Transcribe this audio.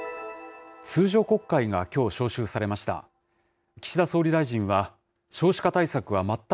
通常国会がきょう召集されました。